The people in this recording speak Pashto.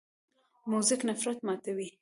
موزیک نفرت ماتوي.